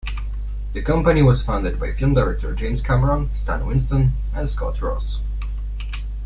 The company was founded by film director James Cameron, Stan Winston and Scott Ross.